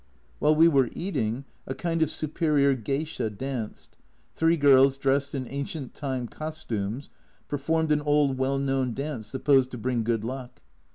While we were eating, a kind of superior geisha danced ; three girls dressed in ancient time costumes performed an old well known dance supposed to bring good luck.